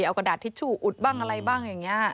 เอากระดาษทิชชู่อุดบ้างอะไรบ้างอย่างนี้